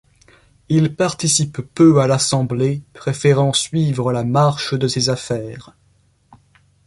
Il participe peu à l'assemblée, préférant suivre la marche de ses affaires.